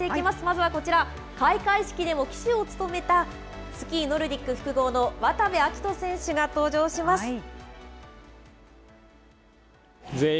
まずはこちら、開会式でも旗手を務めた、スキーノルディック複合の渡部暁斗選手が登場します。